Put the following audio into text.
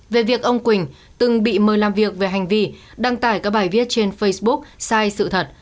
về việc ông quỳnh từng bị mời làm việc về hành vi đăng tải các bài viết trên facebook sai sự thật